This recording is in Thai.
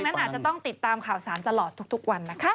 นั้นอาจจะต้องติดตามข่าวสารตลอดทุกวันนะคะ